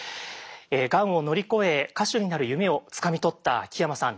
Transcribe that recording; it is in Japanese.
がんを乗り越え歌手になる夢をつかみ取った木山さん